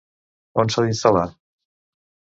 On s'ha d'instal·lar?